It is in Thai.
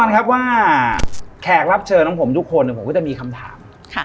ครับว่าแขกรับเชิญของผมทุกคนผมก็จะมีคำถาม